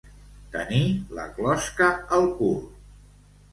Tenir la closca al cul.